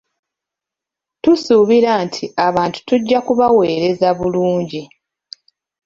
Tusuubira nti abantu tujja kubaweereza bulungi.